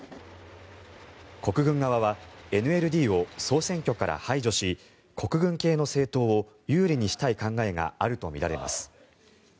国軍側はＮＬＤを総選挙から排除し国軍系の政党を有利にしたい考えがあるとみられます。